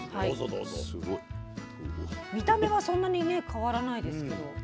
見た目はそんなにね変わらないですけど。